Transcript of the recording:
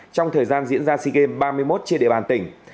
trong thời gian diễn ra sea games ba mươi một trên địa bàn tỉnh